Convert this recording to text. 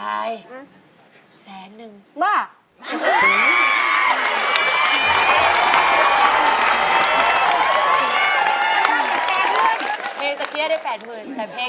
เลยเป็นแสนหนึ่งครับค่ะไม้มีมี